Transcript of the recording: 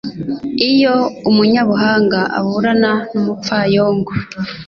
Iyo umunyabuhanga aburana n’umupfayongo